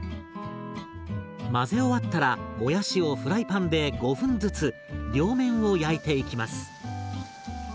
混ぜ終わったらもやしをフライパンで５分ずつ両面を焼いていきます。